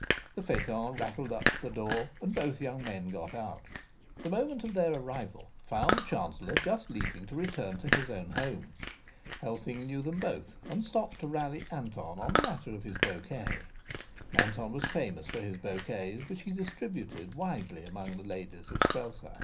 The phaeton rattled up to the door and both young men got out. The moment of their arrival found the chancellor just leaving to return to his own home. Helsing knew them both, and stopped to rally Anton on the matter of his bouquet. Anton was famous for his bouquets, which he distributed widely among the ladies of Strelsau.